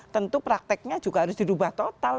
tentu prakteknya juga harus dirubah total